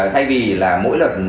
thay vì là mỗi lần